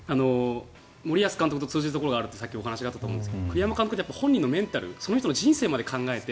森保監督と通じるところがあるってさっきお話があったと思うんですが栗山監督って本人のメンタルその人の人生まで考えて